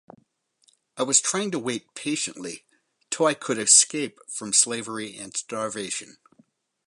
I was trying to wait patiently till I could escape from slavery and starvation.